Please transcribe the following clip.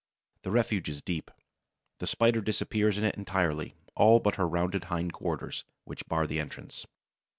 The refuge is deep: the Spider disappears in it entirely, all but her rounded hind quarters, which bar the entrance.